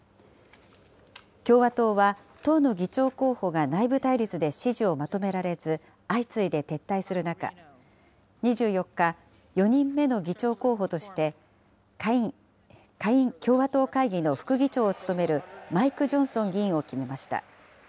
共和党は、党の議長候補が内部対立で支持をまとめられず、相次いで撤退する中、２４日、４人目の議長候補として、下院共和党会議の副議長を務めるマイク・ジョンソン議員を決めました。